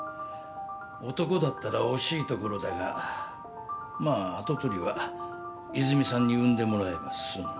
男だったら惜しいところだがまあ跡取りは泉さんに産んでもらえば済む。